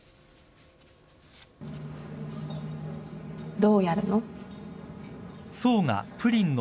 どうやるの？